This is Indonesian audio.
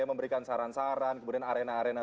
yang memberikan saran saran kemudian arena arena